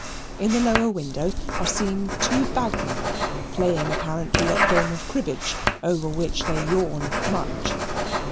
In the lower window are seen two bagmen playing apparently at the game of cribbage, over which they yawn much.